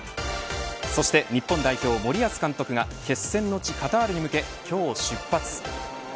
そして日本代表森保監督が決戦の地カタールへ向け今日出発。